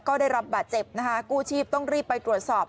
ก็ได้รับบาดเจ็บนะคะกู้ชีพต้องรีบไปตรวจสอบ